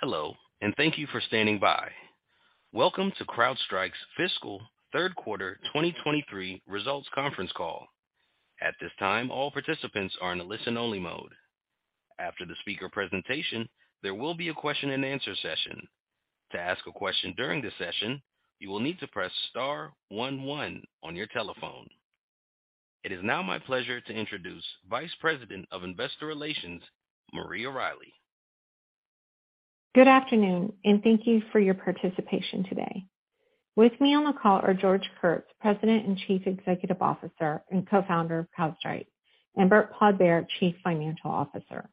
Hello, and thank you for standing by. Welcome to CrowdStrike's fiscal third quarter 2023 results conference call. At this time, all participants are in a listen-only mode. After the speaker presentation, there will be a question-and-answer session. To ask a question during the session, you will need to press star one one on your telephone. It is now my pleasure to introduce Vice President of Investor Relations, Maria Riley. Good afternoon, thank you for your participation today. With me on the call are George Kurtz, President and Chief Executive Officer and Co-Founder of CrowdStrike, and Burt Podbere, Chief Financial Officer.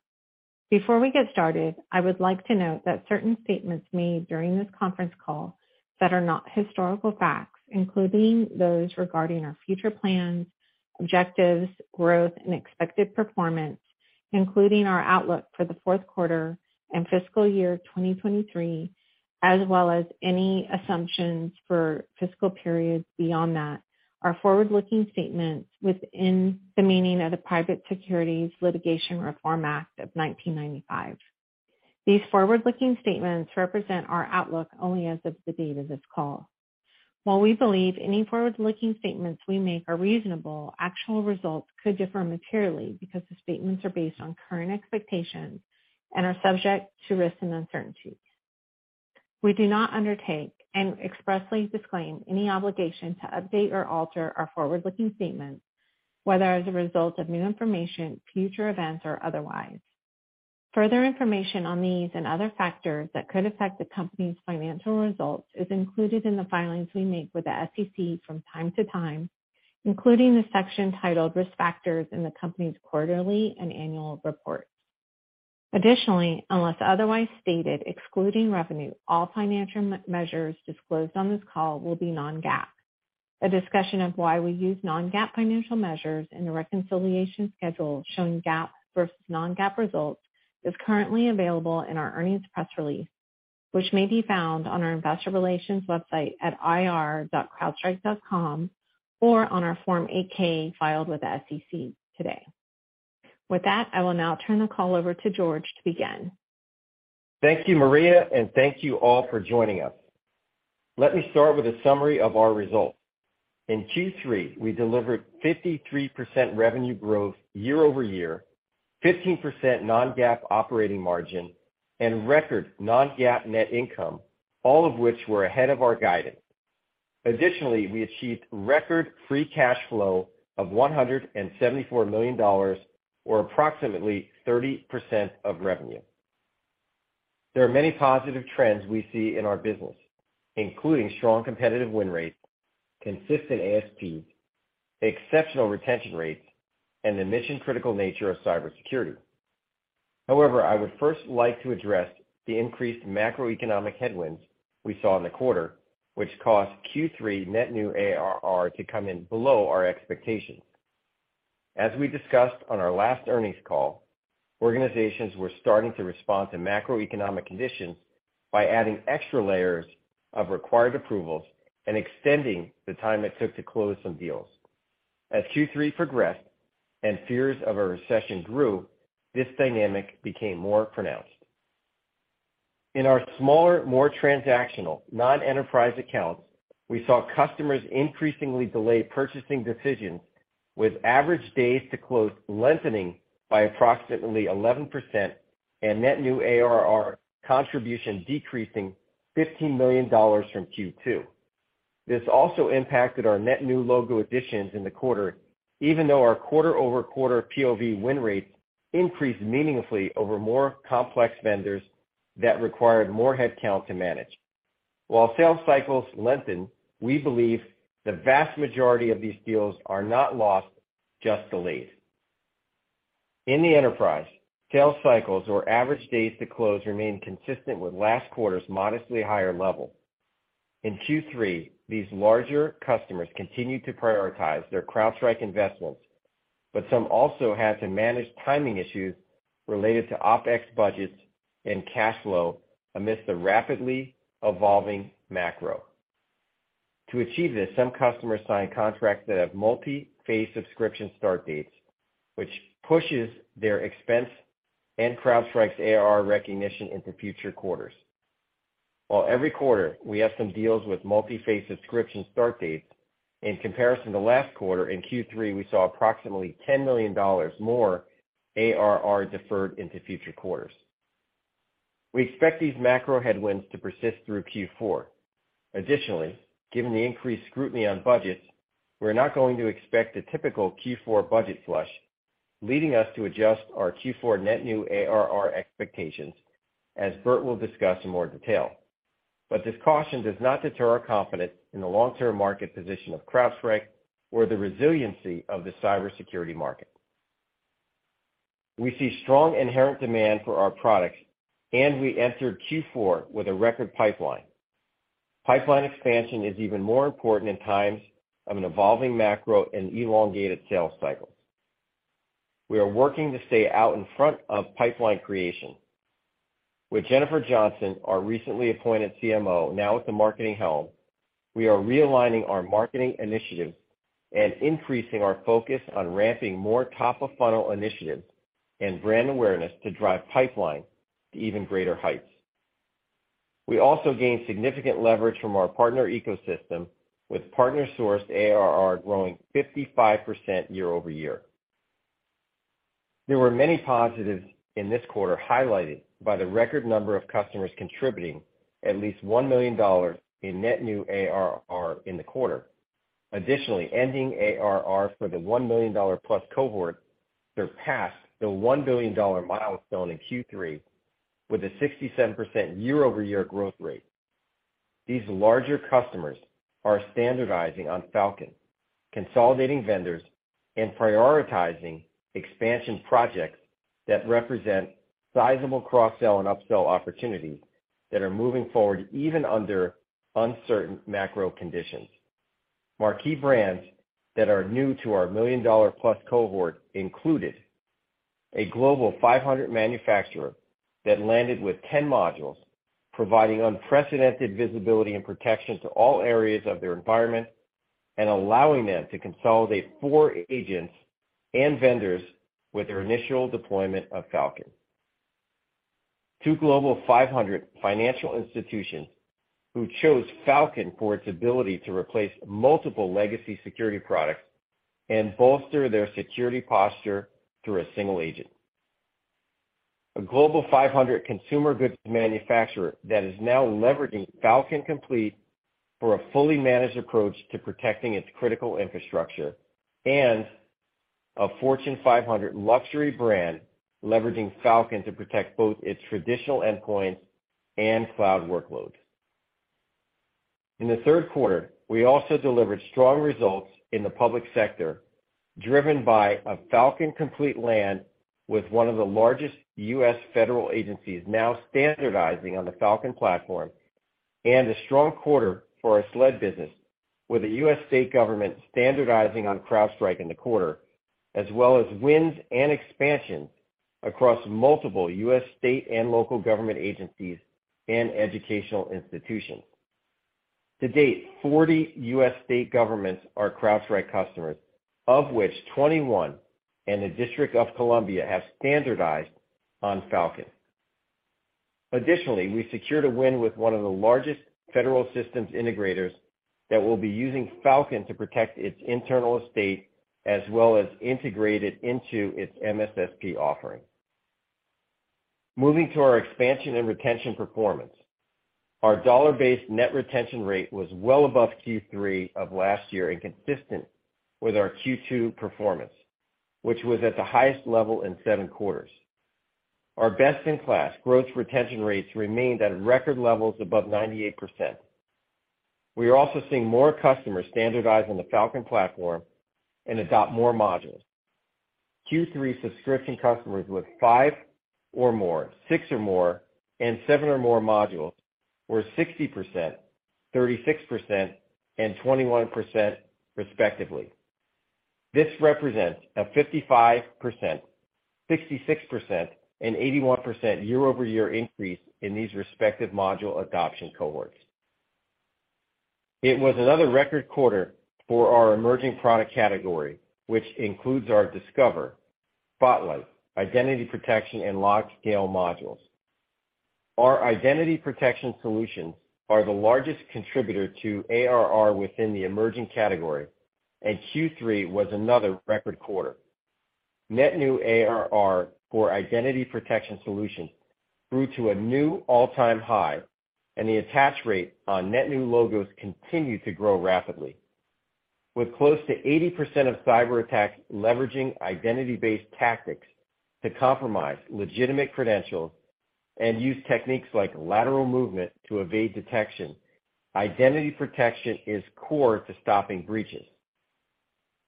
Before we get started, I would like to note that certain statements made during this conference call that are not historical facts, including those regarding our future plans, objectives, growth, and expected performance, including our outlook for the fourth quarter and fiscal year 2023, as well as any assumptions for fiscal periods beyond that, are forward-looking statements within the meaning of the Private Securities Litigation Reform Act of 1995. These forward-looking statements represent our outlook only as of the date of this call. While we believe any forward-looking statements we make are reasonable, actual results could differ materially because the statements are based on current expectations and are subject to risks and uncertainties. We do not undertake and expressly disclaim any obligation to update or alter our forward-looking statements, whether as a result of new information, future events, or otherwise. Further information on these and other factors that could affect the company's financial results is included in the filings we make with the SEC from time to time, including the section titled Risk Factors in the company's quarterly and annual reports. Additionally, unless otherwise stated, excluding revenue, all financial measures disclosed on this call will be non-GAAP. A discussion of why we use non-GAAP financial measures and a reconciliation schedule showing GAAP versus non-GAAP results is currently available in our earnings press release, which may be found on our Investor Relations website at ir.crowdstrike.com or on our Form 8-K filed with the SEC today. With that, I will now turn the call over to George to begin. Thank you, Maria, and thank you all for joining us. Let me start with a summary of our results. In Q3, we delivered 53% revenue growth year-over-year, 15% non-GAAP operating margin, and record non-GAAP net income, all of which were ahead of our guidance. Additionally, we achieved record free cash flow of $174 million or approximately 30% of revenue. There are many positive trends we see in our business, including strong competitive win rates, consistent ASPs, exceptional retention rates, and the mission-critical nature of cybersecurity. However, I would first like to address the increased macroeconomic headwinds we saw in the quarter, which caused Q3 net new ARR to come in below our expectations. As we discussed on our last earnings call, organizations were starting to respond to macroeconomic conditions by adding extra layers of required approvals and extending the time it took to close some deals. As Q3 progressed and fears of a recession grew, this dynamic became more pronounced. In our smaller, more transactional non-enterprise accounts, we saw customers increasingly delay purchasing decisions, with average days to close lengthening by approximately 11% and net new ARR contribution decreasing $15 million from Q2. This also impacted our net new logo additions in the quarter, even though our quarter-over-quarter POV win rates increased meaningfully over more complex vendors that required more headcount to manage. While sales cycles lengthen, we believe the vast majority of these deals are not lost, just delayed. In the enterprise, sales cycles or average days to close remained consistent with last quarter's modestly higher level. In Q3, these larger customers continued to prioritize their CrowdStrike investments, some also had to manage timing issues related to OpEx budgets and cash flow amidst the rapidly evolving macro. To achieve this, some customers sign contracts that have multi-phase subscription start dates, which pushes their expense and CrowdStrike's ARR recognition into future quarters. While every quarter, we have some deals with multi-phase subscription start dates, in comparison to last quarter, in Q3, we saw approximately $10 million more ARR deferred into future quarters. We expect these macro headwinds to persist through Q4. Additionally, given the increased scrutiny on budgets, we're not going to expect a typical Q4 budget flush, leading us to adjust our Q4 net new ARR expectations, as Burt will discuss in more detail. This caution does not deter our confidence in the long-term market position of CrowdStrike or the resiliency of the cybersecurity market. We see strong inherent demand for our products, and we entered Q4 with a record pipeline. Pipeline expansion is even more important in times of an evolving macro and elongated sales cycles. We are working to stay out in front of pipeline creation. With Jennifer Johnson, our recently appointed CMO, now at the marketing helm. We are realigning our marketing initiatives and increasing our focus on ramping more top-of-funnel initiatives and brand awareness to drive pipeline to even greater heights. We also gained significant leverage from our partner ecosystem, with partner-sourced ARR growing 55% year-over-year. There were many positives in this quarter, highlighted by the record number of customers contributing at least $1 million in net new ARR in the quarter. Ending ARR for the $1 million-plus cohort surpassed the $1 billion milestone in Q3 with a 67% year-over-year growth rate. These larger customers are standardizing on Falcon, consolidating vendors, and prioritizing expansion projects that represent sizable cross-sell and upsell opportunities that are moving forward even under uncertain macro conditions. Marquee brands that are new to our $1 million+ cohort included a Fortune Global 500 manufacturer that landed with 10 modules, providing unprecedented visibility and protection to all areas of their environment and allowing them to consolidate four agents and vendors with their initial deployment of Falcon. Two Fortune Global 500 financial institutions who chose Falcon for its ability to replace multiple legacy security products and bolster their security posture through a single agent. A Global 500 consumer goods manufacturer that is now leveraging Falcon Complete for a fully managed approach to protecting its critical infrastructure, and a Fortune 500 luxury brand leveraging Falcon to protect both its traditional endpoints and cloud workloads. In the third quarter, we also delivered strong results in the public sector, driven by a Falcon Complete land with one of the largest U.S. federal agencies now standardizing on the Falcon platform and a strong quarter for our SLED business, with the U.S. state government standardizing on CrowdStrike in the quarter, as well as wins and expansions across multiple U.S. state and local government agencies and educational institutions. To date, 40 U.S. state governments are CrowdStrike customers, of which 21 and the District of Columbia have standardized on Falcon. Additionally, we secured a win with one of the largest federal systems integrators that will be using Falcon to protect its internal estate as well as integrate it into its MSSP offering. Moving to our expansion and retention performance. Our dollar-based net retention rate was well above Q3 of last year and consistent with our Q2 performance, which was at the highest level in seven quarters. Our best-in-class growth retention rates remained at record levels above 98%. We are also seeing more customers standardize on the Falcon platform and adopt more modules. Q3 subscription customers with five or more, six or more, and seven or more modules were 60%, 36%, and 21%, respectively. This represents a 55%, 66%, and 81% year-over-year increase in these respective module adoption cohorts. It was another record quarter for our emerging product category, which includes our Discover, Spotlight, Identity Protection, and LogScale modules. Our Identity Protection solutions are the largest contributor to ARR within the emerging category, and Q3 was another record quarter. Net new ARR for Identity Protection solutions grew to a new all-time high, and the attach rate on net new logos continued to grow rapidly. With close to 80% of cyber attacks leveraging identity-based tactics to compromise legitimate credentials and use techniques like lateral movement to evade detection, identity protection is core to stopping breaches.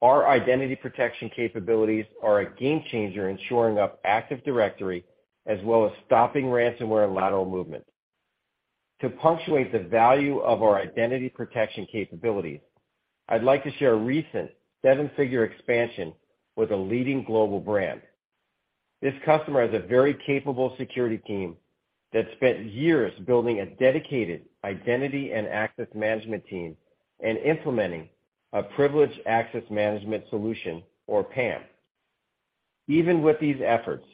Our identity protection capabilities are a game changer in shoring up Active Directory, as well as stopping ransomware and lateral movement. To punctuate the value of our identity protection capabilities, I'd like to share a recent seven-figure expansion with a leading global brand. This customer has a very capable security team that spent years building a dedicated identity and access management team and implementing a Privileged Access Management solution, or PAM. Even with these efforts,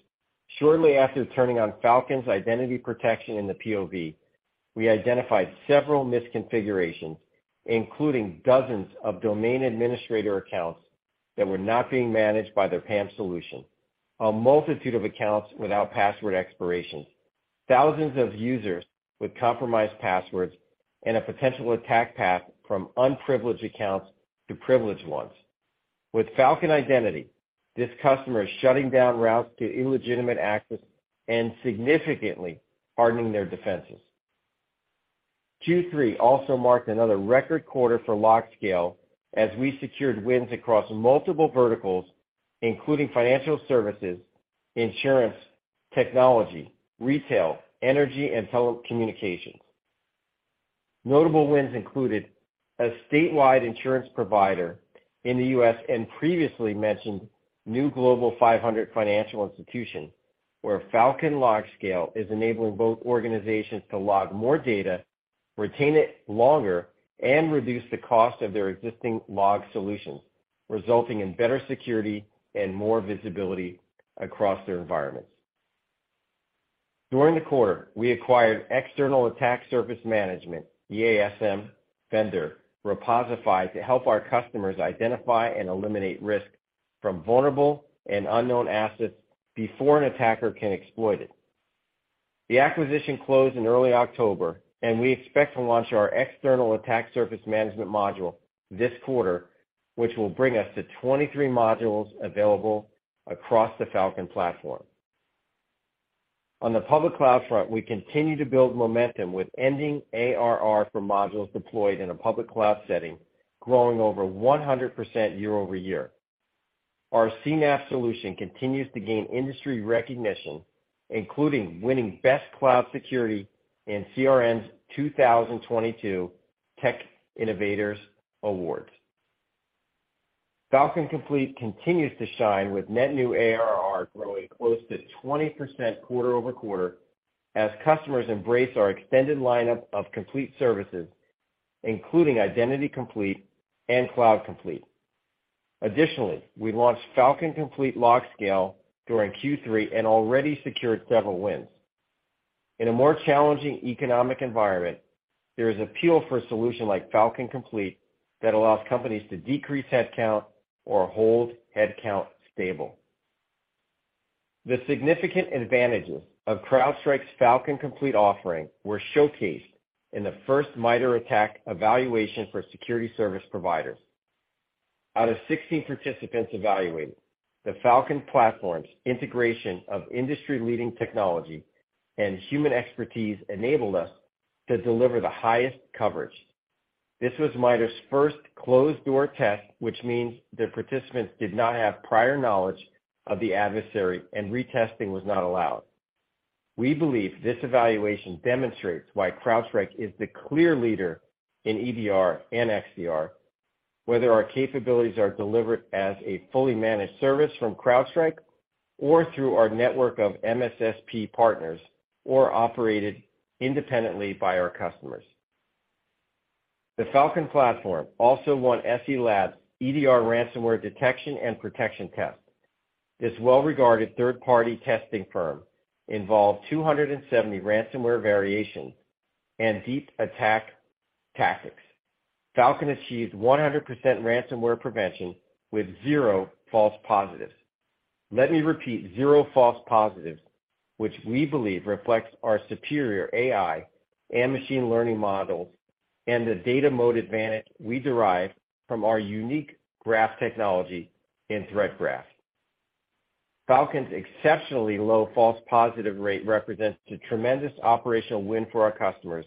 shortly after turning on Falcon's Identity Protection in the POV, we identified several misconfigurations, including dozens of domain administrator accounts that were not being managed by their PAM solution, a multitude of accounts without password expirations, thousands of users with compromised passwords, and a potential attack path from unprivileged accounts to privileged ones. With Falcon Identity, this customer is shutting down routes to illegitimate access and significantly hardening their defenses. Q3 also marked another record quarter for LogScale as we secured wins across multiple verticals, including financial services, insurance, technology, retail, energy, and telecommunications. Notable wins included a statewide insurance provider in the U.S. and previously mentioned new Fortune Global 500 financial institution. Where Falcon LogScale is enabling both organizations to log more data, retain it longer, and reduce the cost of their existing log solutions, resulting in better security and more visibility across their environments. During the quarter, we acquired External Attack Surface Management, EASM vendor, Reposify, to help our customers identify and eliminate risk from vulnerable and unknown assets before an attacker can exploit it. The acquisition closed in early October. We expect to launch our External Attack Surface Management module this quarter, which will bring us to 23 modules available across the Falcon platform. On the public cloud front, we continue to build momentum with ending ARR for modules deployed in a public cloud setting growing over 100% year-over-year. Our CNAPP solution continues to gain industry recognition, including winning best cloud security in CRN's 2022 Tech Innovator Awards. Falcon Complete continues to shine with net new ARR growing close to 20% quarter-over-quarter as customers embrace our extended lineup of complete services, including Identity Complete and Cloud Complete. We launched Falcon Complete LogScale during Q3 and already secured several wins. In a more challenging economic environment, there is appeal for a solution like Falcon Complete that allows companies to decrease headcount or hold headcount stable. The significant advantages of CrowdStrike's Falcon Complete offering were showcased in the first MITRE ATT&CK Evaluation for security service providers. Out of 60 participants evaluated, the Falcon platform's integration of industry-leading technology and human expertise enabled us to deliver the highest coverage. This was MITRE's first closed-door test, which means the participants did not have prior knowledge of the adversary and retesting was not allowed. We believe this evaluation demonstrates why CrowdStrike is the clear leader in EDR and XDR, whether our capabilities are delivered as a fully managed service from CrowdStrike or through our network of MSSP partners or operated independently by our customers. The Falcon platform also won SE Labs' EDR ransomware detection and protection test. This well-regarded third-party testing firm involved 270 ransomware variations and deep attack tactics. Falcon achieved 100% ransomware prevention with zero false positives. Let me repeat, zero false positives, which we believe reflects our superior AI and machine learning models and the data mode advantage we derive from our unique graph technology in Threat Graph. Falcon's exceptionally low false positive rate represents a tremendous operational win for our customers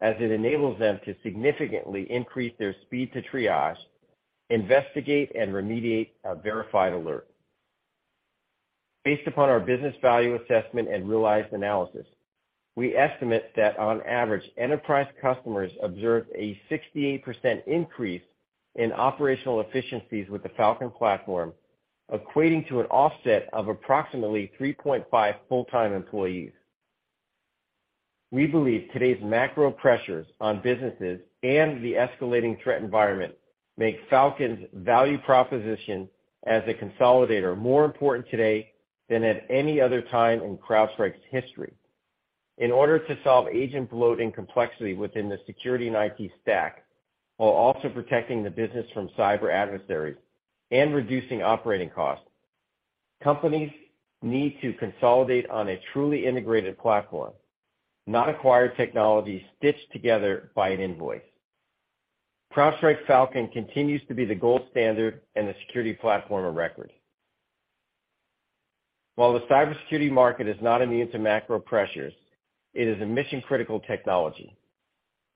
as it enables them to significantly increase their speed to triage, investigate, and remediate a verified alert. Based upon our business value assessment and realized analysis, we estimate that on average, enterprise customers observed a 68% increase in operational efficiencies with the Falcon platform, equating to an offset of approximately 3.5 full-time employees. We believe today's macro pressures on businesses and the escalating threat environment make Falcon's value proposition as a consolidator more important today than at any other time in CrowdStrike's history. In order to solve agent bloat and complexity within the security and IT stack, while also protecting the business from cyber adversaries and reducing operating costs, companies need to consolidate on a truly integrated platform, not acquire technology stitched together by an invoice. CrowdStrike Falcon continues to be the gold standard and the security platform of record. While the cybersecurity market is not immune to macro pressures, it is a mission-critical technology.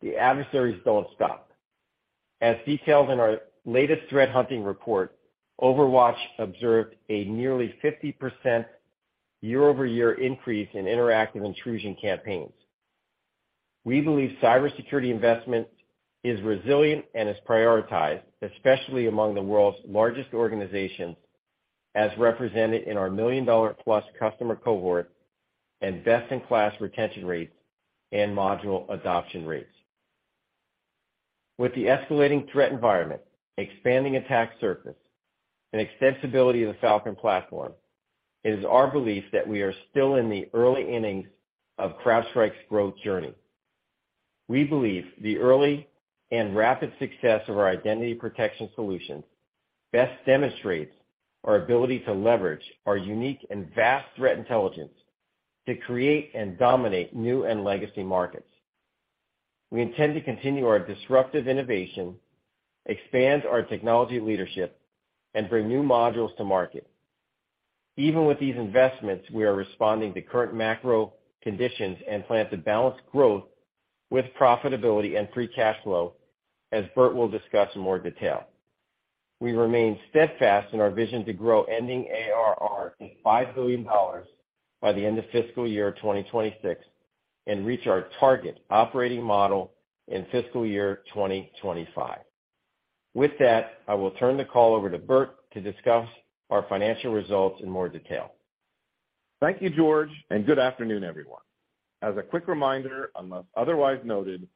The adversaries don't stop. As detailed in our latest threat hunting report, Overwatch observed a nearly 50% year-over-year increase in interactive intrusion campaigns. We believe cybersecurity investment is resilient and is prioritized, especially among the world's largest organizations, as represented in our million-dollar-plus customer cohort and best-in-class retention rates and module adoption rates. With the escalating threat environment, expanding attack surface, and extensibility of the Falcon platform, it is our belief that we are still in the early innings of CrowdStrike's growth journey. We believe the early and rapid success of our identity protection solutions best demonstrates our ability to leverage our unique and vast threat intelligence to create and dominate new and legacy markets. We intend to continue our disruptive innovation, expand our technology leadership, and bring new modules to market. Even with these investments, we are responding to current macro conditions and plan to balance growth with profitability and free cash flow, as Burt will discuss in more detail. We remain steadfast in our vision to grow ending ARR to $5 billion by the end of fiscal year 2026 and reach our target operating model in fiscal year 2025. With that, I will turn the call over to Burt to discuss our financial results in more detail. Thank you, George. Good afternoon, everyone. As a quick reminder, unless otherwise noted,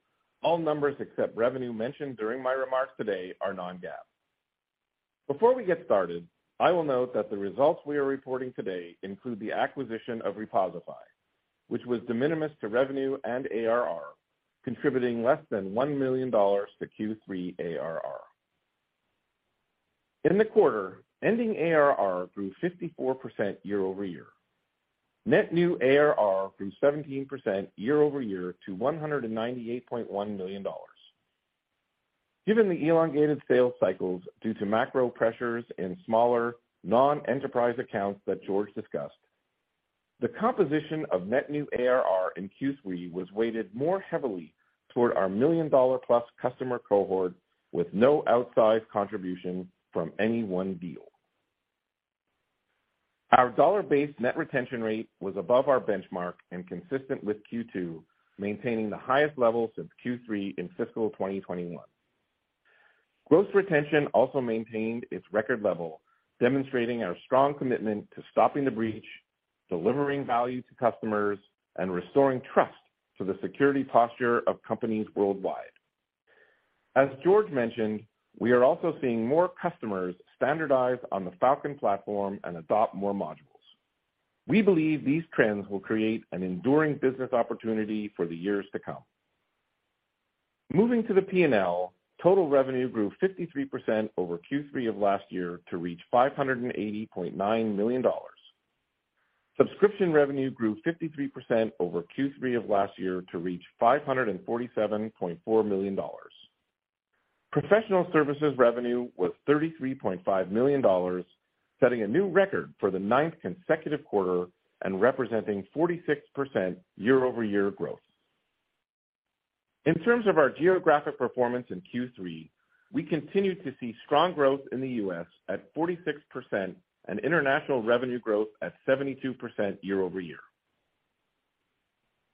all numbers except revenue mentioned during my remarks today are non-GAAP. Before we get started, I will note that the results we are reporting today include the acquisition of Reposify, which was de minimis to revenue and ARR, contributing less than $1 million to Q3 ARR. In the quarter, ending ARR grew 54% year-over-year. Net new ARR grew 17% year-over-year to $198.1 million. Given the elongated sales cycles due to macro pressures in smaller non-enterprise accounts that George discussed, the composition of net new ARR in Q3 was weighted more heavily toward our million-dollar-plus customer cohort with no outsized contribution from any one deal. Our dollar-based net retention rate was above our benchmark and consistent with Q2, maintaining the highest level since Q3 in fiscal 2021. Gross retention also maintained its record level, demonstrating our strong commitment to stopping the breach, delivering value to customers, and restoring trust to the security posture of companies worldwide. As George mentioned, we are also seeing more customers standardize on the Falcon platform and adopt more modules. We believe these trends will create an enduring business opportunity for the years to come. Moving to the P&L, total revenue grew 53% over Q3 of last year to reach $580.9 million. Subscription revenue grew 53% over Q3 of last year to reach $547.4 million. Professional services revenue was $33.5 million, setting a new record for the 9th consecutive quarter and representing 46% year-over-year growth. In terms of our geographic performance in Q3, we continued to see strong growth in the U.S. at 46% and international revenue growth at 72% year-over-year.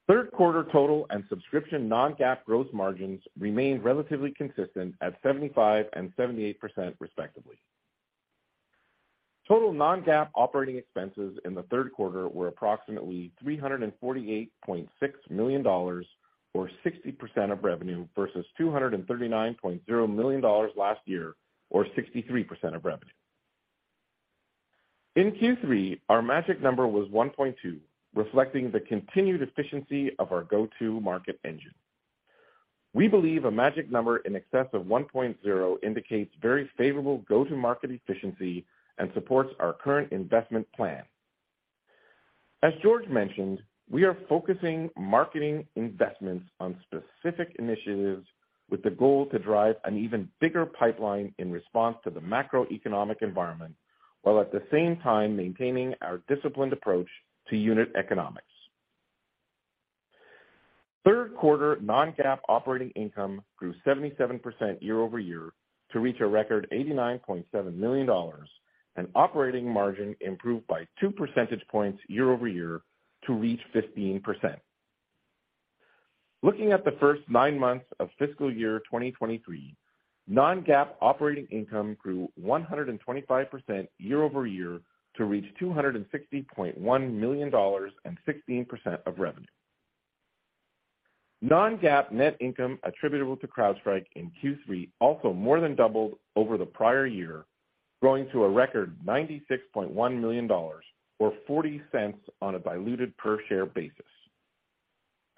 Third quarter total and subscription non-GAAP growth margins remained relatively consistent at 75% and 78% respectively. Total non-GAAP operating expenses in the third quarter were approximately $348.6 million, or 60% of revenue, versus $239.0 million last year, or 63% of revenue. In Q3, our magic number was 1.2, reflecting the continued efficiency of our go-to market engine. We believe a magic number in excess of 1.0 indicates very favorable go-to-market efficiency and supports our current investment plan. As George mentioned, we are focusing marketing investments on specific initiatives with the goal to drive an even bigger pipeline in response to the macroeconomic environment, while at the same time maintaining our disciplined approach to unit economics. Third quarter non-GAAP operating income grew 77% year-over-year to reach a record $89.7 million, and operating margin improved by 2 percentage points year-over-year to reach 15%. Looking at the first 9 months of fiscal year 2023, non-GAAP operating income grew 125% year-over-year to reach $260.1 million and 16% of revenue. Non-GAAP net income attributable to CrowdStrike in Q3 also more than doubled over the prior year, growing to a record $96.1 million, or $0.40 on a diluted per share basis.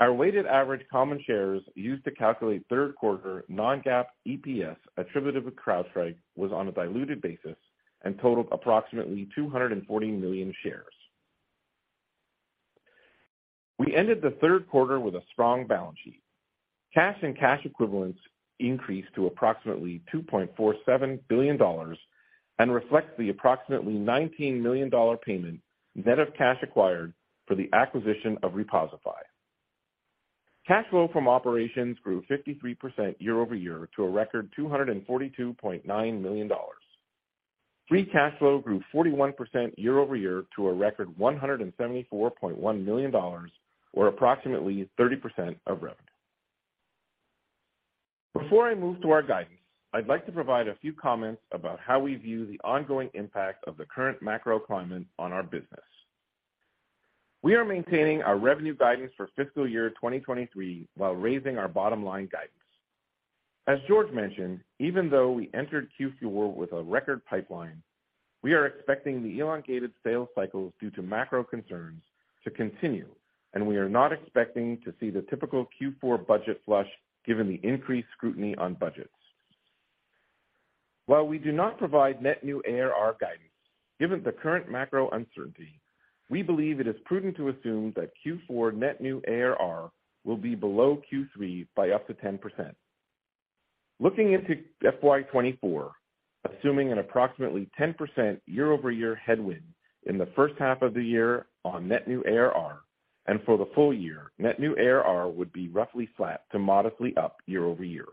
Our weighted average common shares used to calculate third quarter non-GAAP EPS attributable to CrowdStrike was on a diluted basis and totaled approximately 240 million shares. We ended the third quarter with a strong balance sheet. Cash and cash equivalents increased to approximately $2.47 billion and reflects the approximately $19 million payment net of cash acquired for the acquisition of Reposify. Cash flow from operations grew 53% year-over-year to a record $242.9 million. Free cash flow grew 41% year-over-year to a record $174.1 million, or approximately 30% of revenue. Before I move to our guidance, I'd like to provide a few comments about how we view the ongoing impact of the current macro climate on our business. We are maintaining our revenue guidance for fiscal year 2023 while raising our bottom line guidance. As George mentioned, even though we entered Q4 with a record pipeline, we are expecting the elongated sales cycles due to macro concerns to continue, and we are not expecting to see the typical Q4 budget flush given the increased scrutiny on budgets. While we do not provide net new ARR guidance, given the current macro uncertainty, we believe it is prudent to assume that Q4 net new ARR will be below Q3 by up to 10%. Looking into FY 2024, assuming an approximately 10% year-over-year headwind in the first half of the year on net new ARR, and for the full year, net new ARR would be roughly flat to modestly up year-over-year.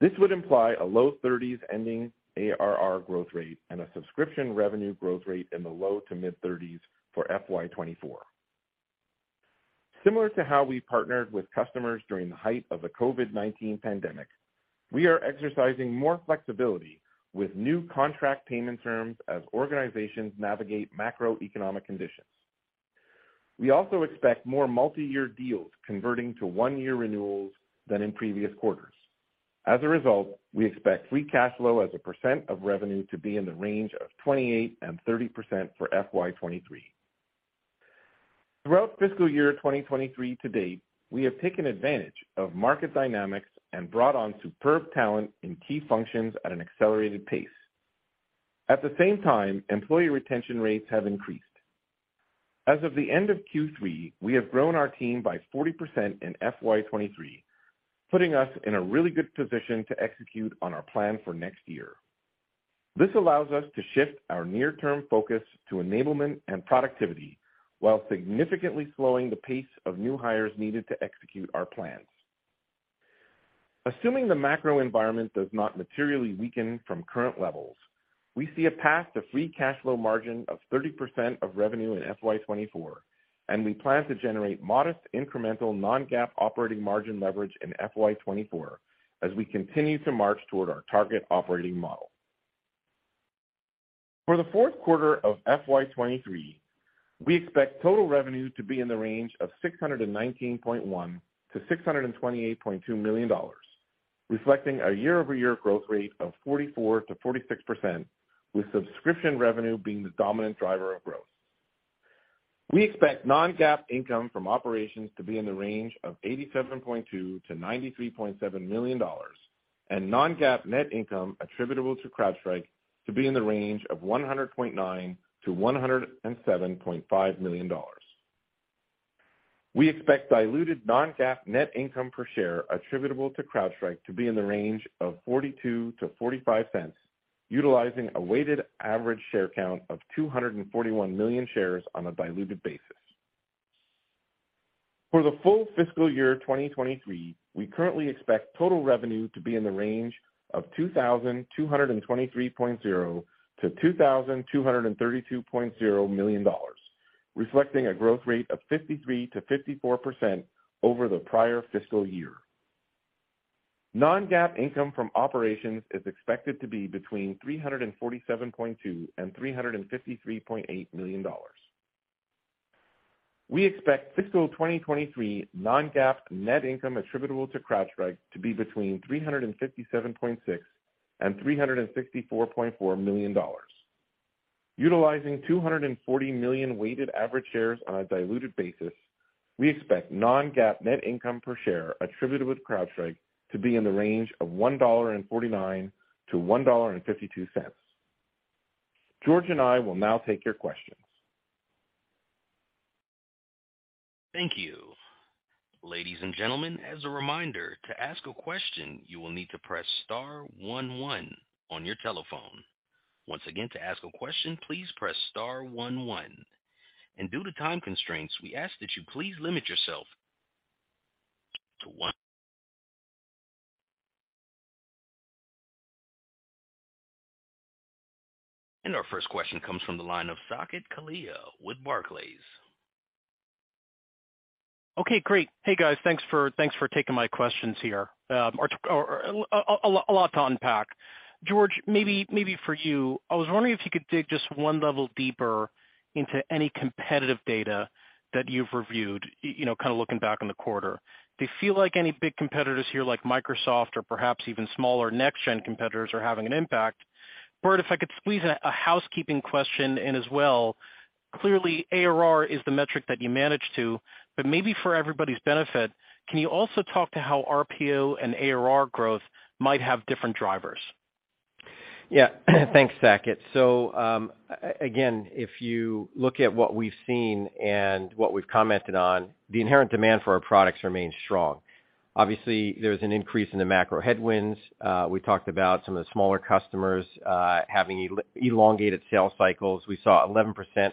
This would imply a low 30s ending ARR growth rate and a subscription revenue growth rate in the low to mid-30s for FY 2024. Similar to how we partnered with customers during the height of the COVID-19 pandemic, we are exercising more flexibility with new contract payment terms as organizations navigate macroeconomic conditions. We also expect more multi-year deals converting to one-year renewals than in previous quarters. As a result, we expect free cash flow as a percent of revenue to be in the range of 28% and 30% for FY 2023. Throughout fiscal year 2023 to date, we have taken advantage of market dynamics and brought on superb talent in key functions at an accelerated pace. At the same time, employee retention rates have increased. As of the end of Q3, we have grown our team by 40% in FY 2023, putting us in a really good position to execute on our plan for next year. This allows us to shift our near-term focus to enablement and productivity while significantly slowing the pace of new hires needed to execute our plans. Assuming the macro environment does not materially weaken from current levels, we see a path to free cash flow margin of 30% of revenue in FY 2024, and we plan to generate modest incremental non-GAAP operating margin leverage in FY 2024 as we continue to march toward our target operating model. For the Q4 of FY23, we expect total revenue to be in the range of $619.1 million-$628.2 million, reflecting a year-over-year growth rate of 44%-46%, with subscription revenue being the dominant driver of growth. We expect non-GAAP income from operations to be in the range of $87.2 million-$93.7 million and non-GAAP net income attributable to CrowdStrike to be in the range of $100.9 million-$107.5 million. We expect diluted non-GAAP net income per share attributable to CrowdStrike to be in the range of $0.42-$0.45, utilizing a weighted average share count of 241 million shares on a diluted basis. For the full fiscal year 2023, we currently expect total revenue to be in the range of $2,223.0 million-$2,232.0 million, reflecting a growth rate of 53%-54% over the prior fiscal year. Non-GAAP income from operations is expected to be between $347.2 million and $353.8 million. We expect fiscal 2023 non-GAAP net income attributable to CrowdStrike to be between $357.6 million and $364.4 million. Utilizing 240 million weighted average shares on a diluted basis, we expect non-GAAP net income per share attributable to CrowdStrike to be in the range of $1.49-$1.52. George and I will now take your questions. Thank you. Ladies and gentlemen, as a reminder, to ask a question, you will need to press star one one on your telephone. Once again, to ask a question, please press star one one. Due to time constraints, we ask that you please limit yourself to one question. Our first question comes from the line of Saket Kalia with Barclays. Okay, great. Hey, guys. Thanks for taking my questions here. A lot to unpack. George, maybe for you. I was wondering if you could dig just one level deeper into any competitive data that you've reviewed, you know, kinda looking back on the quarter. Do you feel like any big competitors here, like Microsoft or perhaps even smaller next gen competitors, are having an impact? Burt, if I could squeeze a housekeeping question in as well. Clearly, ARR is the metric that you manage to, but maybe for everybody's benefit, can you also talk to how RPO and ARR growth might have different drivers? Yeah. Thanks, Saket. Again, if you look at what we've seen and what we've commented on, the inherent demand for our products remains strong. Obviously, there's an increase in the macro headwinds. We talked about some of the smaller customers, having elongated sales cycles. We saw 11%,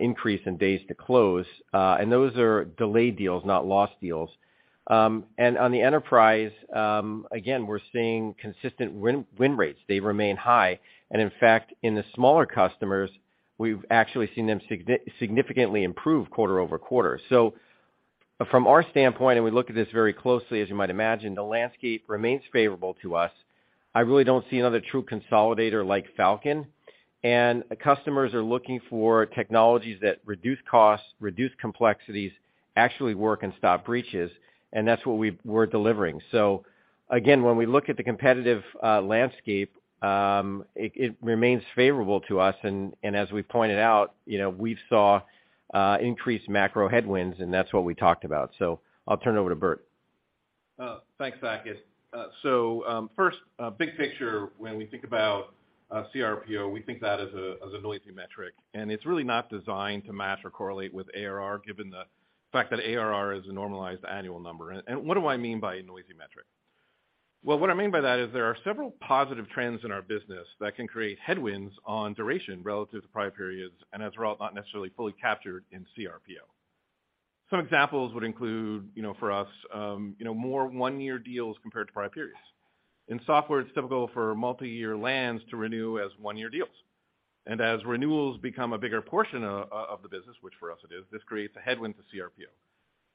increase in days to close. Those are delayed deals, not lost deals. On the enterprise, again, we're seeing consistent win rates. They remain high. In fact, in the smaller customers, we've actually seen them significantly improve quarter-over-quarter. From our standpoint, we look at this very closely, as you might imagine, the landscape remains favorable to us. I really don't see another true consolidator like Falcon. Customers are looking for technologies that reduce costs, reduce complexities, actually work and stop breaches, and that's what we're delivering. Again, when we look at the competitive landscape, it remains favorable to us. As we pointed out, you know, we saw increased macro headwinds, and that's what we talked about. I'll turn it over to Burt. Thanks, Saket. First, big picture, when we think about CRPO, we think that as a noisy metric, and it's really not designed to match or correlate with ARR, given the fact that ARR is a normalized annual number. What do I mean by a noisy metric? Well, what I mean by that is there are several positive trends in our business that can create headwinds on duration relative to prior periods, and as a result, not necessarily fully captured in CRPO. Some examples would include, you know, for us, you know, more one-year deals compared to prior periods. In software, it's typical for multiyear lands to renew as one-year deals. As renewals become a bigger portion of the business, which for us it is, this creates a headwind to CRPO.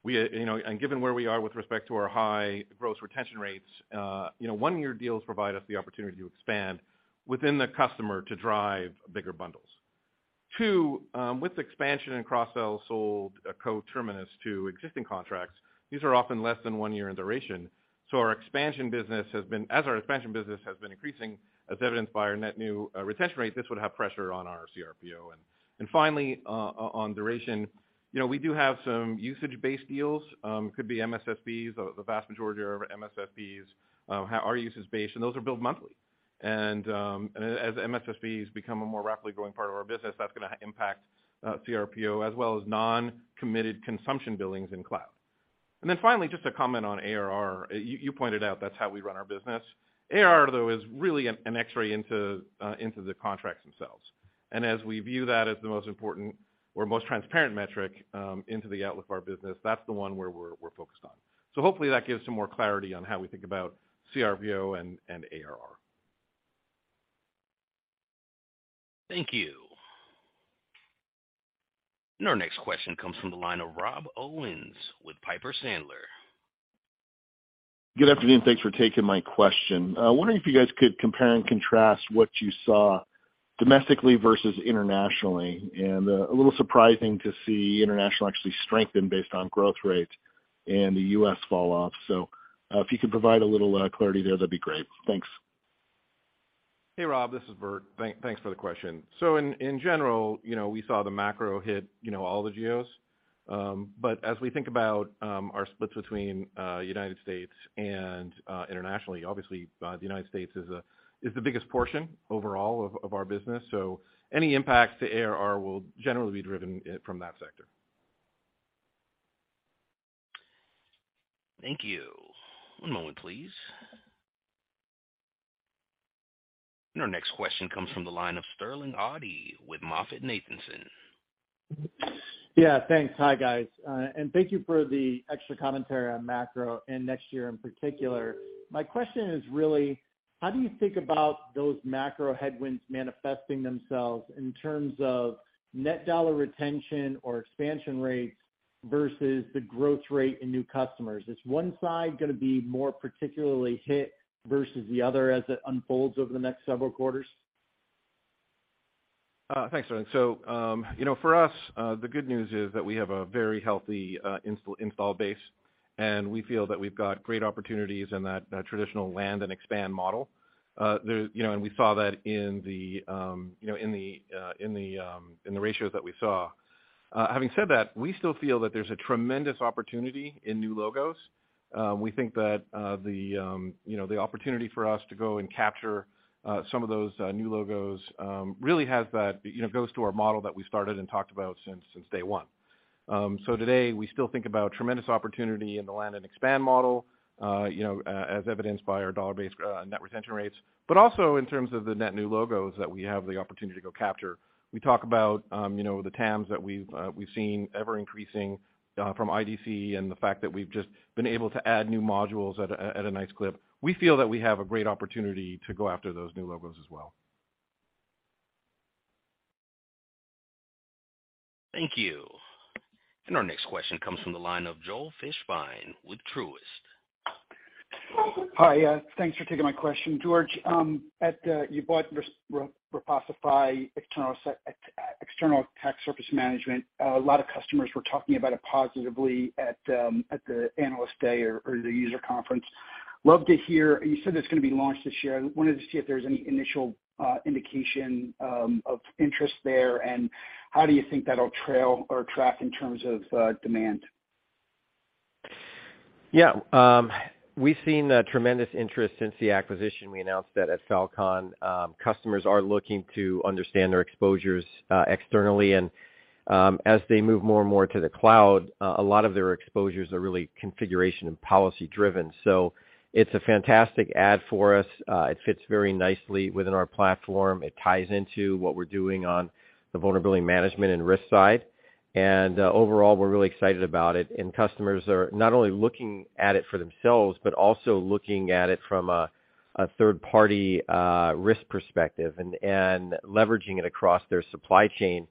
We, you know, given where we are with respect to our high gross retention rates, you know, one-year deals provide us the opportunity to expand within the customer to drive bigger bundles. Two, with expansion and cross-sell sold coterminous to existing contracts, these are often less than one year in duration, so as our expansion business has been increasing, as evidenced by our net new retention rates, this would have pressure on our CRPO. Finally, on duration, you know, we do have some usage-based deals, could be MSSPs, the vast majority are MSSPs, how our use is based, and those are billed monthly. As MSSPs become a more rapidly growing part of our business, that's gonna impact CRPO as well as non-committed consumption billings in cloud. Finally, just to comment on ARR, you pointed out that's how we run our business. ARR, though, is really an X-ray into the contracts themselves. As we view that as the most important or most transparent metric into the outlook of our business, that's the one we're focused on. Hopefully that gives some more clarity on how we think about CRPO and ARR. Thank you. Our next question comes from the line of Rob Owens with Piper Sandler. Good afternoon, thanks for taking my question. Wondering if you guys could compare and contrast what you saw domestically versus internationally, and a little surprising to see international actually strengthen based on growth rate and the U.S. falloff. If you could provide a little clarity there, that'd be great. Thanks. Hey, Rob. This is Burt. Thanks for the question. In general, you know, we saw the macro hit, you know, all the geos. As we think about our splits between United States and internationally, obviously, the United States is the biggest portion overall of our business. Any impacts to ARR will generally be driven from that sector. Thank you. One moment, please. Our next question comes from the line of Sterling Auty with MoffettNathanson. Yeah, thanks. Hi, guys. Thank you for the extra commentary on macro and next year in particular. My question is really, how do you think about those macro headwinds manifesting themselves in terms of net dollar retention or expansion rates versus the growth rate in new customers? Is one side gonna be more particularly hit versus the other as it unfolds over the next several quarters? Thanks, Sterling. You know, for us, the good news is that we have a very healthy, install base, and we feel that we've got great opportunities in that, traditional land and expand model. There, you know, and we saw that in the, you know, in the, in the ratios that we saw. Having said that, we still feel that there's a tremendous opportunity in new logos. We think that, the, you know, the opportunity for us to go and capture, some of those, new logos, really has that. You know, goes to our model that we started and talked about since day one. Today, we still think about tremendous opportunity in the land and expand model, you know, as evidenced by our dollar-based net retention rates, but also in terms of the net new logos that we have the opportunity to go capture. We talk about, you know, the TAMs that we've seen ever increasing from IDC and the fact that we've just been able to add new modules at a nice clip. We feel that we have a great opportunity to go after those new logos as well. Thank you. Our next question comes from the line of Joel Fishbein with Truist. Hi. Thanks for taking my question. George, at you bought Reposify External Attack Surface Management. A lot of customers were talking about it positively at the analyst day or the user conference. Love to hear. You said it's gonna be launched this year. I wanted to see if there's any initial indication of interest there, and how do you think that'll trail or track in terms of demand? Yeah. We've seen a tremendous interest since the acquisition. We announced that at Fal.Con. Customers are looking to understand their exposures externally, and as they move more and more to the cloud, a lot of their exposures are really configuration and policy driven. It's a fantastic ad for us. It fits very nicely within our platform. It ties into what we're doing on the vulnerability management and risk side. Overall, we're really excited about it, and customers are not only looking at it for themselves, but also looking at it from a third-party risk perspective and leveraging it across their supply chain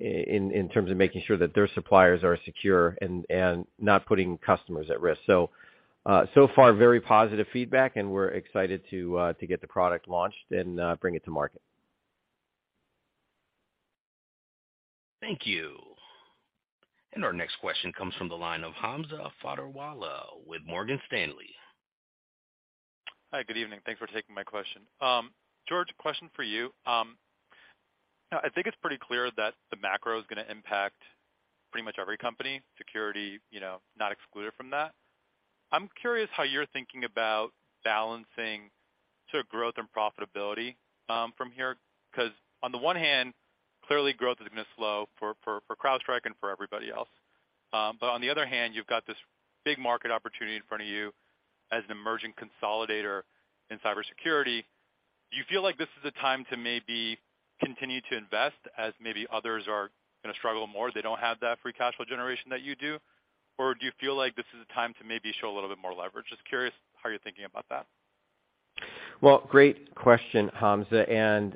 in terms of making sure that their suppliers are secure and not putting customers at risk. So far, very positive feedback, and we're excited to get the product launched and bring it to market. Thank you. Our next question comes from the line of Hamza Fodderwala with Morgan Stanley. Hi. Good evening. Thanks for taking my question. George, question for you. Now I think it's pretty clear that the macro is gonna impact pretty much every company, security, you know, not excluded from that. I'm curious how you're thinking about balancing sort of growth and profitability, from here, 'cause on the one hand, clearly growth is gonna slow for CrowdStrike and for everybody else. On the other hand, you've got this big market opportunity in front of you as an emerging consolidator in cybersecurity. Do you feel like this is a time to maybe continue to invest as maybe others are gonna struggle more, they don't have that free cash flow generation that you do? Do you feel like this is a time to maybe show a little bit more leverage? Just curious how you're thinking about that. Well, great question, Hamza,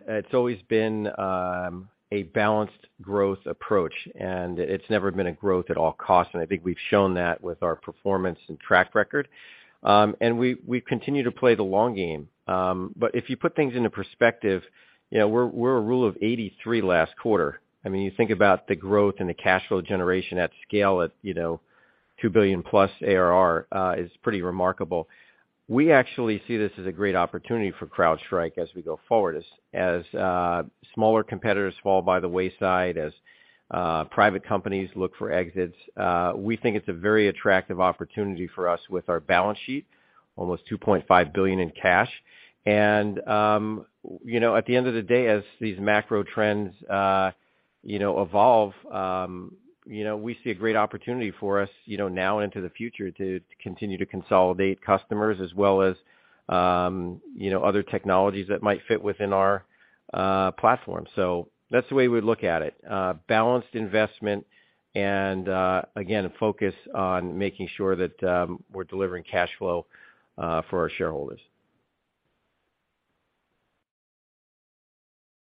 it's always been a balanced growth approach, it's never been a growth at all cost, I think we've shown that with our performance and track record. We continue to play the long game. If you put things into perspective, you know, we're a rule of 83 last quarter. I mean, you think about the growth and the cash flow generation at scale at, you know, $2 billion+ ARR, is pretty remarkable. We actually see this as a great opportunity for CrowdStrike as we go forward. As smaller competitors fall by the wayside, as private companies look for exits, we think it's a very attractive opportunity for us with our balance sheet, almost $2.5 billion in cash. You know, at the end of the day, as these macro trends, you know, evolve, you know, we see a great opportunity for us, you know, now into the future to continue to consolidate customers as well as, you know, other technologies that might fit within our platform. That's the way we look at it, balanced investment and, again, a focus on making sure that, we're delivering cash flow, for our shareholders.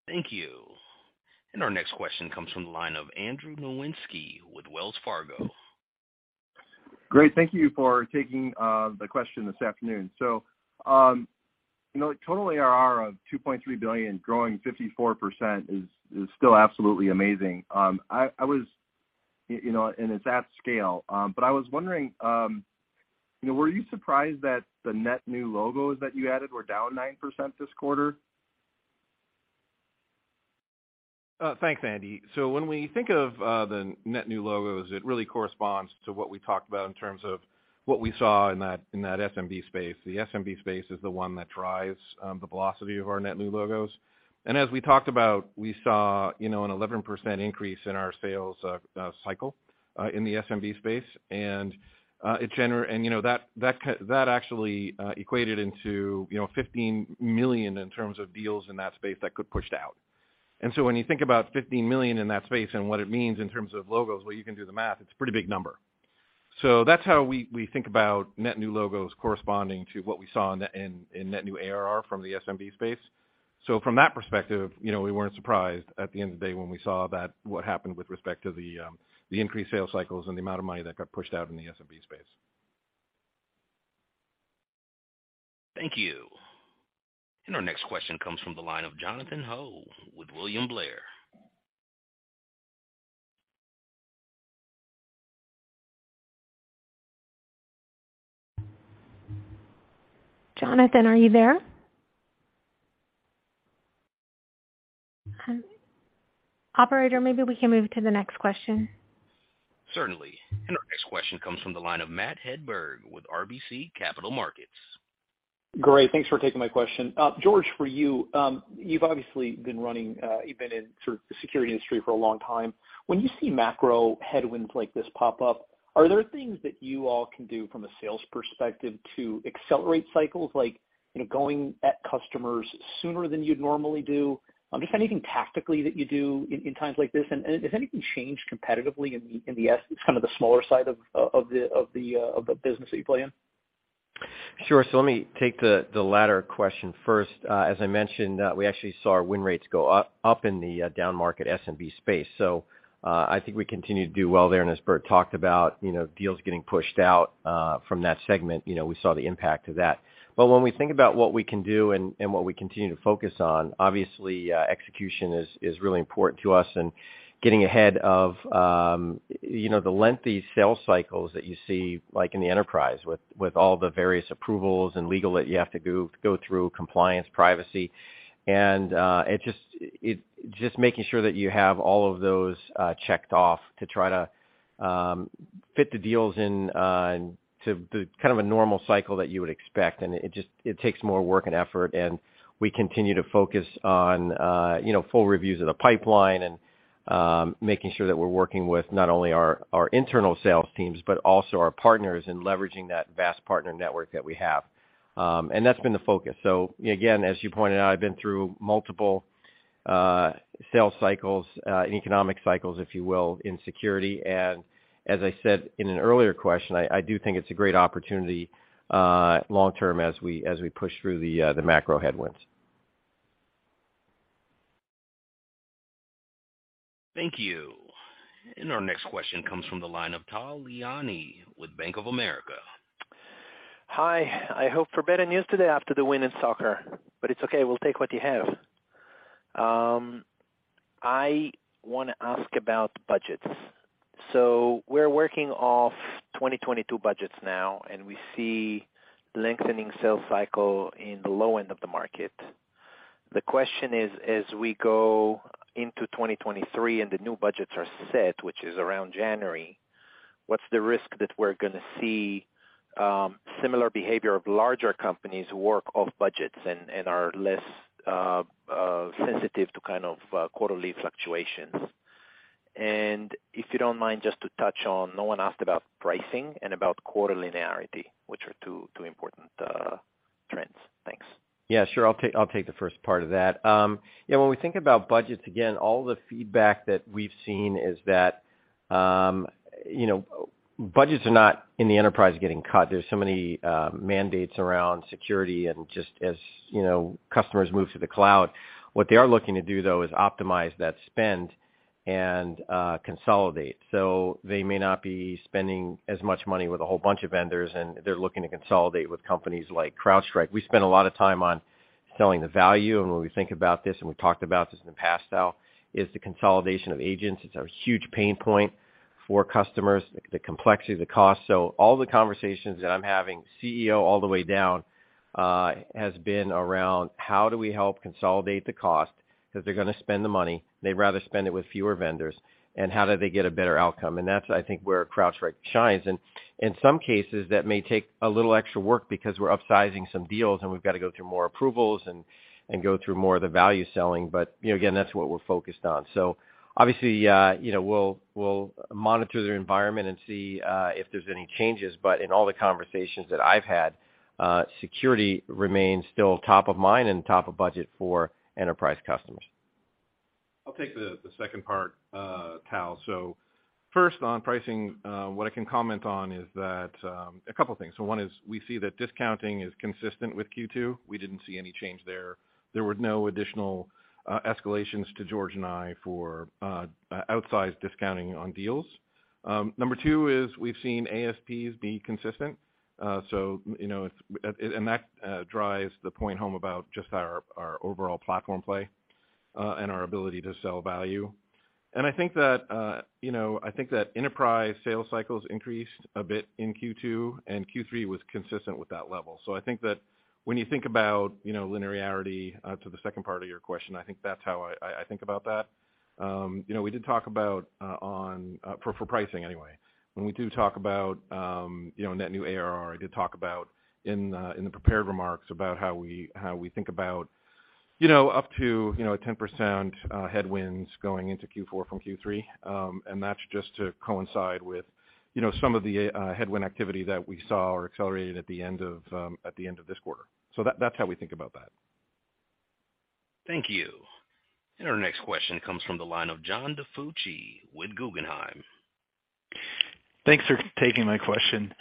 Thank you. Our next question comes from the line of Andrew Nowinski with Wells Fargo. Great. Thank you for taking the question this afternoon. You know, total ARR of $2.3 billion growing 54% is still absolutely amazing. I was, you know, and it's at scale. But I was wondering, you know, were you surprised that the net new logos that you added were down 9% this quarter? Thanks, Andy. When we think of the net new logos, it really corresponds to what we talked about in terms of what we saw in that, in that SMB space. The SMB space is the one that drives the velocity of our net new logos. As we talked about, we saw, you know, an 11% increase in our sales cycle in the SMB space. It, you know, that that actually equated into, you know, $15 million in terms of deals in that space that got pushed out. When you think about $15 million in that space and what it means in terms of logos, well, you can do the math, it's a pretty big number. That's how we think about net new logos corresponding to what we saw in net new ARR from the SMB space. From that perspective, you know, we weren't surprised at the end of the day when we saw that what happened with respect to the increased sales cycles and the amount of money that got pushed out in the SMB space. Thank you. Our next question comes from the line of Jonathan Ho with William Blair. Jonathan, are you there? Operator, maybe we can move to the next question. Certainly. Our next question comes from the line of Matt Hedberg with RBC Capital Markets. Great. Thanks for taking my question. George, for you've obviously been running, you've been in sort of the security industry for a long time. When you see macro headwinds like this pop up, are there things that you all can do from a sales perspective to accelerate cycles like, you know, going at customers sooner than you'd normally do? Just anything tactically that you do in times like this? Has anything changed competitively in the smaller side of the, of the business that you play in? Sure. Let me take the latter question first. As I mentioned, we actually saw our win rates go up in the downmarket SMB space. I think we continue to do well there. As Burt talked about, you know, deals getting pushed out from that segment, you know, we saw the impact of that. When we think about what we can do and what we continue to focus on, obviously, execution is really important to us and getting ahead of, you know, the lengthy sales cycles that you see, like in the enterprise with all the various approvals and legal that you have to go through compliance, privacy. It just making sure that you have all of those checked off to try to fit the deals in to the kind of a normal cycle that you would expect. It just, it takes more work and effort, and we continue to focus on, you know, full reviews of the pipeline and making sure that we're working with not only our internal sales teams, but also our partners in leveraging that vast partner network that we have. That's been the focus. Again, as you pointed out, I've been through multiple sales cycles, economic cycles, if you will, in security. As I said in an earlier question, I do think it's a great opportunity long-term as we, as we push through the macro headwinds. Thank you. Our next question comes from the line of Tal Liani with Bank of America. Hi. I hope for better news today after the win in soccer, but it's okay, we'll take what you have. I wanna ask about budgets. We're working off 2022 budgets now, and we see lengthening sales cycle in the low end of the market. The question is, as we go into 2023 and the new budgets are set, which is around January, what's the risk that we're gonna see, similar behavior of larger companies work off budgets and are less, sensitive to kind of, quarterly fluctuations? If you don't mind, just to touch on, no one asked about pricing and about quarter linearity, which are two important, Sure. I'll take the first part of that. When we think about budgets, again, all the feedback that we've seen is that, you know, budgets are not in the enterprise getting cut. There's so many mandates around security and just as, you know, customers move to the cloud. What they are looking to do though is optimize that spend and consolidate. They may not be spending as much money with a whole bunch of vendors, and they're looking to consolidate with companies like CrowdStrike. We spend a lot of time on selling the value, and when we think about this, and we talked about this in the past, Tal, is the consolidation of agents. It's a huge pain point for customers, the complexity, the cost. All the conversations that I'm having, CEO all the way down, has been around how do we help consolidate the cost 'cause they're gonna spend the money, they'd rather spend it with fewer vendors, and how do they get a better outcome? That's, I think, where CrowdStrike shines. In some cases, that may take a little extra work because we're upsizing some deals, and we've got to go through more approvals and go through more of the value selling. You know, again, that's what we're focused on. Obviously, you know, we'll monitor the environment and see if there's any changes. In all the conversations that I've had, security remains still top of mind and top of budget for enterprise customers. I'll take the second part, Tal. First on pricing, what I can comment on is that a couple things. One is we see that discounting is consistent with Q2. We didn't see any change there. There were no additional escalations to George and I for outsized discounting on deals. Number two is we've seen ASPs be consistent. You know, and that drives the point home about just our overall platform play and our ability to sell value. I think that, you know, I think that enterprise sales cycles increased a bit in Q2, and Q3 was consistent with that level. I think that when you think about, you know, linearity, to the second part of your question, I think that's how I think about that. You know, we did talk about on... For pricing anyway. When we do talk about, you know, net new ARR, I did talk about in the prepared remarks about how we, how we think about, you know, up to, you know, 10% headwinds going into Q4 from Q3. That's just to coincide with, you know, some of the headwind activity that we saw or accelerated at the end of, at the end of this quarter. That's how we think about that. Thank you. Our next question comes from the line of John DiFucci with Guggenheim. Thanks for taking my question.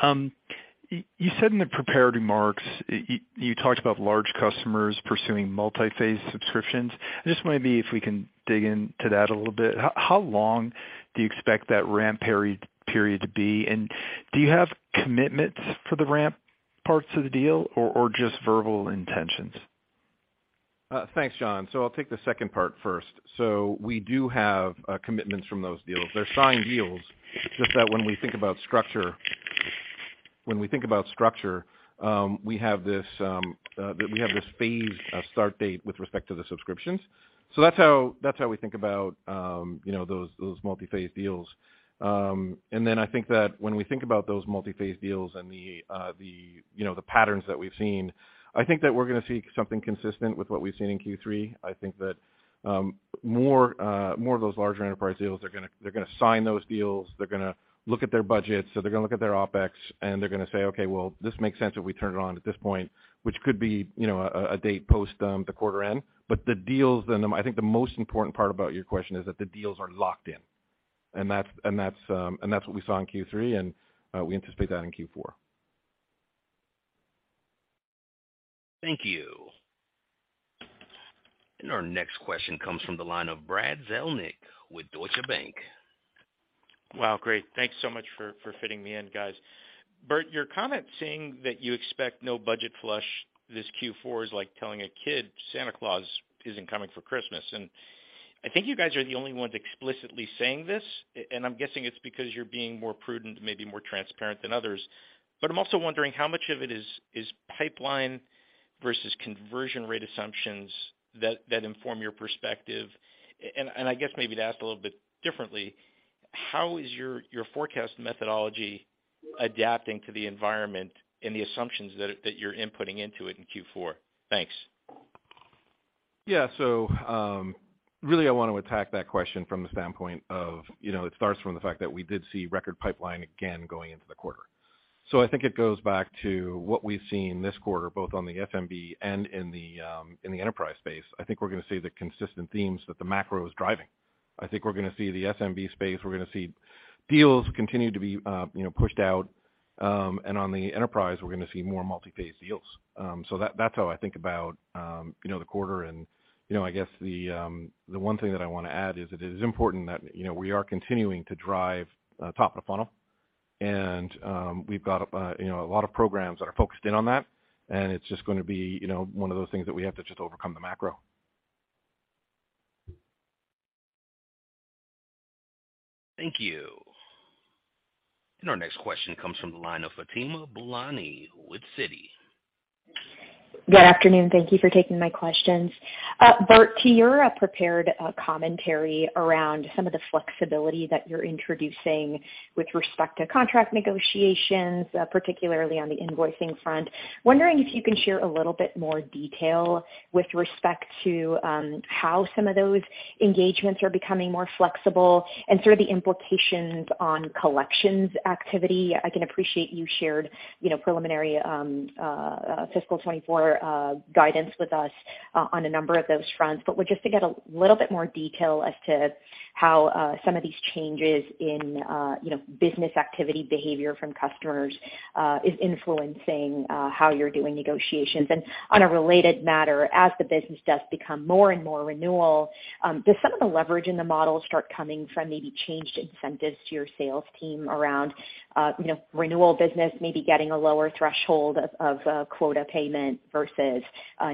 You said in the prepared remarks, you talked about large customers pursuing multi-phase subscriptions. I just wondering if we can dig into that a little bit. How long do you expect that ramp period to be? Do you have commitments for the ramp parts of the deal or just verbal intentions? Thanks, John. I'll take the second part first. We do have commitments from those deals. They're signed deals. It's just that when we think about structure, we have this phased start date with respect to the subscriptions. That's how we think about, you know, those multi-phase deals. Then I think that when we think about those multi-phase deals and the, you know, the patterns that we've seen, I think that we're gonna see something consistent with what we've seen in Q3. I think that more, more of those larger enterprise deals they're gonna sign those deals, they're gonna look at their budgets, they're gonna look at their OpEx, and they're gonna say, "Okay, well, this makes sense if we turn it on at this point," which could be, you know, a date post the quarter end. The deals then, I think the most important part about your question is that the deals are locked in. That's what we saw in Q3, we anticipate that in Q4. Thank you. Our next question comes from the line of Brad Zelnick with Deutsche Bank. Wow, great. Thanks so much for fitting me in, guys. Burt, your comment saying that you expect no budget flush this Q4 is like telling a kid Santa Claus isn't coming for Christmas. I think you guys are the only ones explicitly saying this, and I'm guessing it's because you're being more prudent, maybe more transparent than others. I'm also wondering how much of it is pipeline versus conversion rate assumptions that inform your perspective. I guess maybe to ask a little bit differently, how is your forecast methodology adapting to the environment and the assumptions that you're inputting into it in Q4? Thanks. Yeah. Really I want to attack that question from the standpoint of, you know, it starts from the fact that we did see record pipeline again going into the quarter. I think it goes back to what we've seen this quarter, both on the SMB and in the enterprise space. I think we're gonna see the consistent themes that the macro is driving. I think we're gonna see the SMB space. We're gonna see deals continue to be, you know, pushed out. On the enterprise, we're gonna see more multi-phase deals. That's how I think about, you know, the quarter. You know, I guess the one thing that I wanna add is that it is important that, you know, we are continuing to drive, top of funnel. We've got, you know, a lot of programs that are focused in on that, and it's just gonna be, you know, one of those things that we have to just overcome the macro. Thank you. Our next question comes from the line of Fatima Boolani with Citi. Good afternoon. Thank you for taking my questions. Burt, to your prepared commentary around some of the flexibility that you're introducing with respect to contract negotiations, particularly on the invoicing front. Wondering if you can share a little bit more detail with respect to how some of those engagements are becoming more flexible and sort of the implications on collections activity? I can appreciate you shared, you know, preliminary fiscal 2024 guidance with us, on a number of those fronts. Just to get a little bit more detail as to how some of these changes in, you know, business activity behavior from customers, is influencing how you're doing negotiations? On a related matter, as the business does become more and more renewal, does some of the leverage in the model start coming from maybe changed incentives to your sales team around, you know, renewal business maybe getting a lower threshold of quota payment versus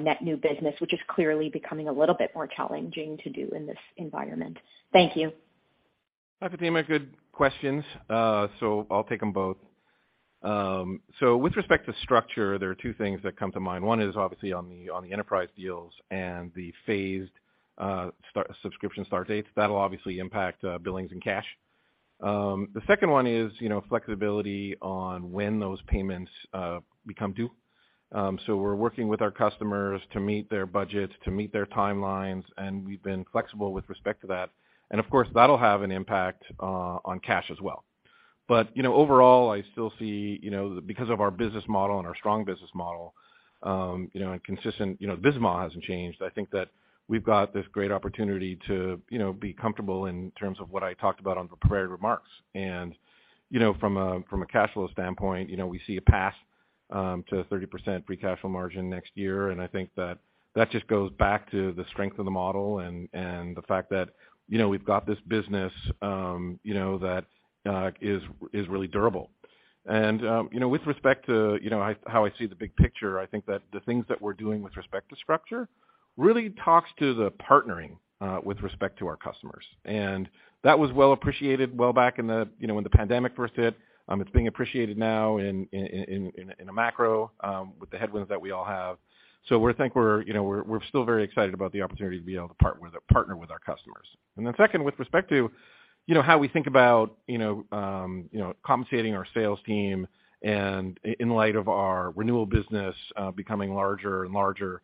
net new business, which is clearly becoming a little bit more challenging to do in this environment? Thank you. Hi, Fatima. Good questions. I'll take them both. With respect to structure, there are two things that come to mind. One is obviously on the enterprise deals and the phased subscription start dates. That'll obviously impact billings and cash. The second one is, you know, flexibility on when those payments become due. We're working with our customers to meet their budgets, to meet their timelines, and we've been flexible with respect to that. Of course, that'll have an impact on cash as well. Overall, I still see, you know, because of our business model and our strong business model, you know, and consistent, you know, the biz model hasn't changed. I think that we've got this great opportunity to, you know, be comfortable in terms of what I talked about on the prepared remarks. From a, from a cash flow standpoint, you know, we see a path to a 30% free cash flow margin next year, and I think that that just goes back to the strength of the model and the fact that, you know, we've got this business that is really durable. With respect to, you know, how I see the big picture, I think that the things that we're doing with respect to structure really talks to the partnering with respect to our customers. That was well appreciated, well back in the, you know, when the pandemic first hit. It's being appreciated now in a macro with the headwinds that we all have. We're, you know, we're still very excited about the opportunity to be able to partner with our customers. Then second, with respect to, you know, how we think about, you know, compensating our sales team and in light of our renewal business becoming larger and larger.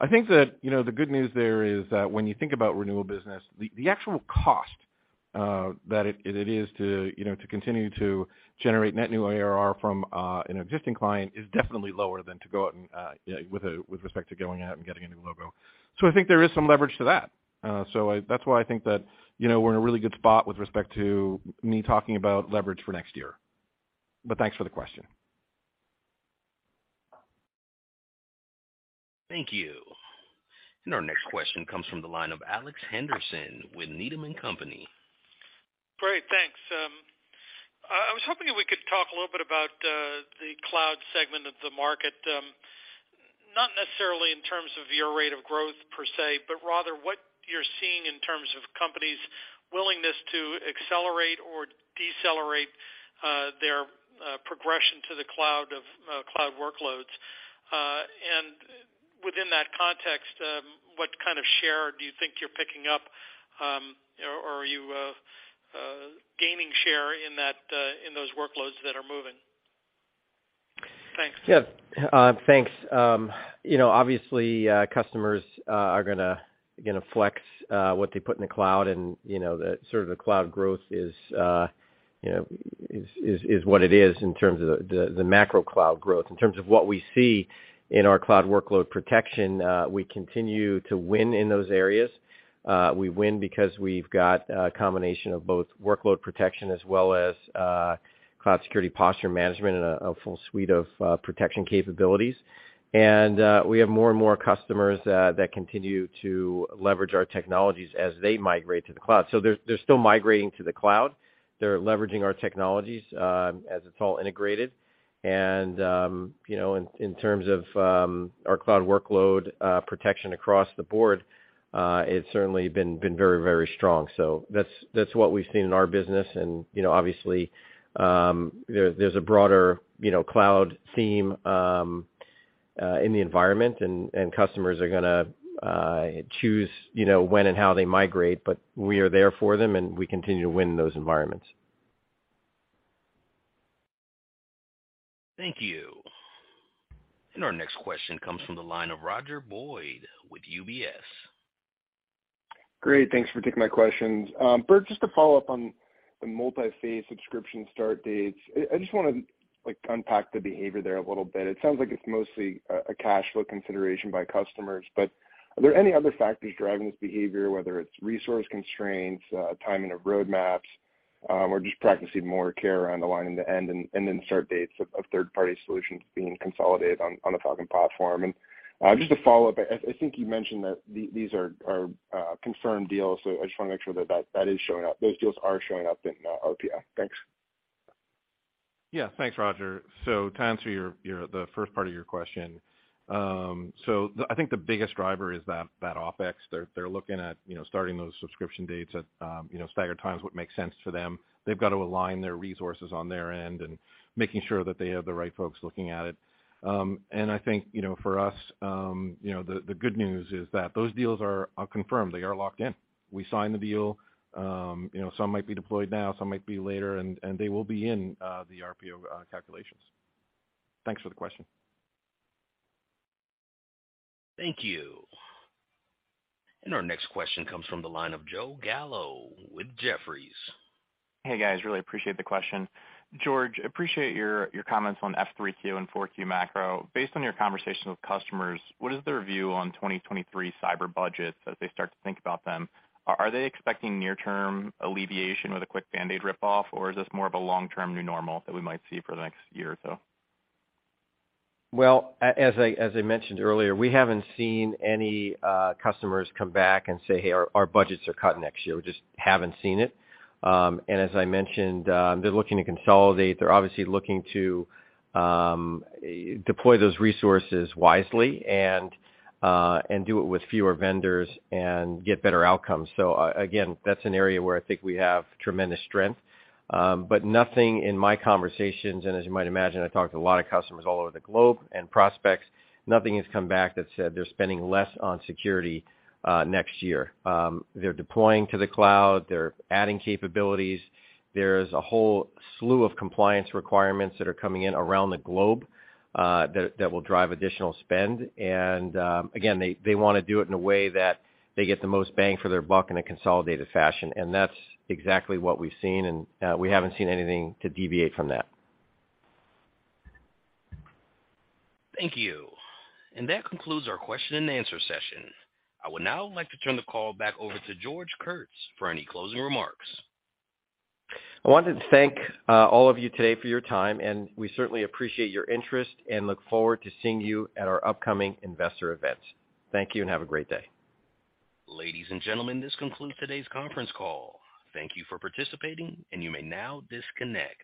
I think that, you know, the good news there is that when you think about renewal business, the actual cost that it is to, you know, to continue to generate net new ARR from an existing client is definitely lower than to go out and with respect to going out and getting a new logo. I think there is some leverage to that. That's why I think that, you know, we're in a really good spot with respect to me talking about leverage for next year. Thanks for the question. Thank you. Our next question comes from the line of Alex Henderson with Needham & Company. Great. Thanks. I was hoping we could talk a little bit about the cloud segment of the market, not necessarily in terms of your rate of growth per se, but rather what you're seeing in terms of companies' willingness to accelerate or decelerate their progression to the cloud of cloud workloads. Within that context, what kind of share do you think you're picking up, or are you gaining share in that in those workloads that are moving? Thanks. Yeah. Thanks. You know, obviously, customers are gonna flex what they put in the cloud and, you know, the sort of the cloud growth is what it is in terms of the macro cloud growth. In terms of what we see in our cloud workload protection, we continue to win in those areas. We win because we've got a combination of both workload protection as well as Cloud Security Posture Management and a full suite of protection capabilities. We have more and more customers that continue to leverage our technologies as they migrate to the cloud. They're still migrating to the cloud. They're leveraging our technologies as it's all integrated. You know, in terms of our cloud workload protection across the board, it's certainly been very, very strong. That's what we've seen in our business. You know, obviously, there's a broader, you know, cloud theme in the environment, and customers are gonna choose, you know, when and how they migrate, but we are there for them, and we continue to win those environments. Thank you. Our next question comes from the line of Roger Boyd with UBS. Great. Thanks for taking my questions. Burt, just to follow up on the multi-phase subscription start dates. I just wanna, like, unpack the behavior there a little bit. It sounds like it's mostly a cash flow consideration by customers, but are there any other factors driving this behavior, whether it's resource constraints, timing of roadmaps, or just practicing more care around aligning the end and then start dates of third-party solutions being consolidated on the Falcon platform? Just to follow up, I think you mentioned that these are confirmed deals, so I just wanna make sure that that is showing up, those deals are showing up in RPO. Thanks. Yeah. Thanks, Roger. To answer the first part of your question. I think the biggest driver is that OpEx. They're looking at, you know, starting those subscription dates at, you know, staggered times what makes sense to them. They've got to align their resources on their end and. Making sure that they have the right folks looking at it. I think, you know, for us, you know, the good news is that those deals are confirmed, they are locked in. We signed the deal. You know, some might be deployed now, some might be later, and they will be in the RPO calculations. Thanks for the question. Thank you. Our next question comes from the line of Joseph Gallo with Jefferies. Hey, guys. Really appreciate the question. George, appreciate your comments on 3Q and 4Q macro. Based on your conversations with customers, what is their view on 2023 cyber budgets as they start to think about them? Are they expecting near term alleviation with a quick Band-Aid rip-off, or is this more of a long-term new normal that we might see for the next year or so? As I, as I mentioned earlier, we haven't seen any customers come back and say, "Hey, our budgets are cut next year." We just haven't seen it. As I mentioned, they're looking to consolidate. They're obviously looking to deploy those resources wisely and do it with fewer vendors and get better outcomes. Again, that's an area where I think we have tremendous strength. Nothing in my conversations, and as you might imagine, I talk to a lot of customers all over the globe, and prospects, nothing has come back that said they're spending less on security next year. They're deploying to the cloud. They're adding capabilities. There's a whole slew of compliance requirements that are coming in around the globe that will drive additional spend. Again, they wanna do it in a way that they get the most bang for their buck in a consolidated fashion, and that's exactly what we've seen, and we haven't seen anything to deviate from that. Thank you. That concludes our question and answer session. I would now like to turn the call back over to George Kurtz for any closing remarks. I wanted to thank all of you today for your time, and we certainly appreciate your interest and look forward to seeing you at our upcoming investor events. Thank you and have a great day. Ladies and gentlemen, this concludes today's conference call. Thank you for participating, and you may now disconnect.